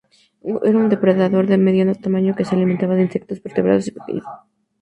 Era un depredador de mediano tamaño, que se alimentaba de insectos y vertebrados pequeños.